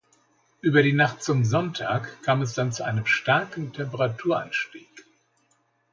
Über die Nacht zum Sonntag kam es dann zu einem starken Temperaturanstieg.